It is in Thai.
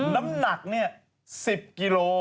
น้ำหนักเนี่ย๑๐กิโล